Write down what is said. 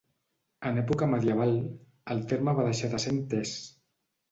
En època medieval, el terme va deixar de ser entès.